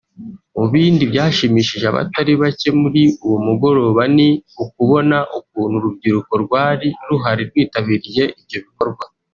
Mu bindi byashimishije abatari bacye muri uwo mugoroba ni ukubona ukuntu urubyiruko rwari ruhari rwitabiriye ibyo bikorwa